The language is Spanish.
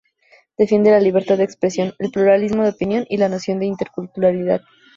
Defiende la libertad de expresión, el pluralismo de opinión y la noción de interculturalidad.